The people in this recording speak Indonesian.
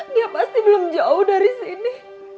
dia pasti belum jauh dari sini